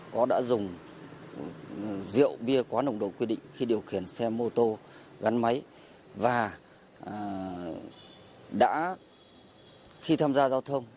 có đã dùng rượu bia quá nồng độ quy định khi điều khiển xe mô tô gắn máy và đã khi tham gia giao thông